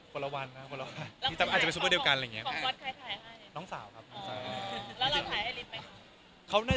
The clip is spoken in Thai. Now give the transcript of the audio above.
คนละวัน